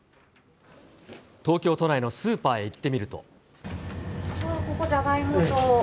東京都内のスーパーへ行って